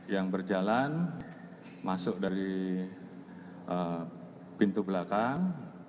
yang berjalan masuk dari pintu belakang